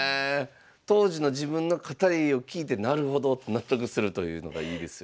当時の自分の語りを聞いて「なるほど」って納得するというのがいいですよね。